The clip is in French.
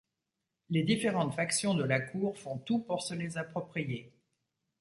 Les différentes factions de la cour font tout pour se les approprier.